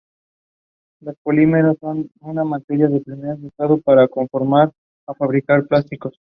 Los polímeros son un material primario usado para conformar o fabricar plásticos.